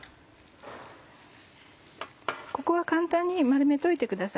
ここは簡単に丸めといてください。